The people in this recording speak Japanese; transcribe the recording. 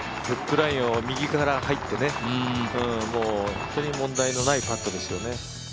フックラインを右から入って本当に問題のないパットですよね。